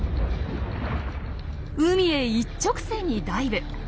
海へ一直線にダイブ！